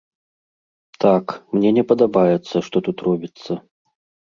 Так, мне не падабаецца, што тут робіцца.